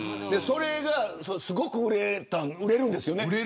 それがすごく売れた売れるんですよね。